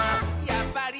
やっぱり！」